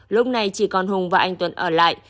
lúc này chỉ còn hùng và anh tuấn ở lại